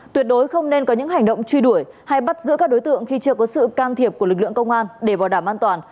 tuyệt đối không nên có những hành động truy đuổi hay bắt giữ các đối tượng khi chưa có sự can thiệp của lực lượng công an để bảo đảm an toàn